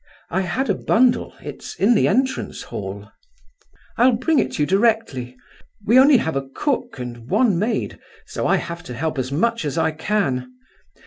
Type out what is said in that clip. "I had a bundle; it's in the entrance hall." "I'll bring it you directly. We only have a cook and one maid, so I have to help as much as I can.